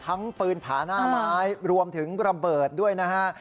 ปืนผาหน้าไม้รวมถึงระเบิดด้วยนะฮะ